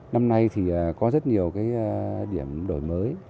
năm nay thì có rất nhiều cái điểm đổi mới